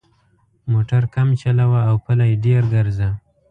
موټر کم چلوه او پلي ډېر ګرځه.